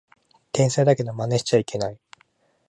天才だけどマネしちゃいけない